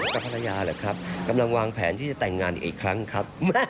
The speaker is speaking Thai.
กับภรรยาเหรอครับกำลังวางแผนที่จะแต่งงานอีกครั้งครับ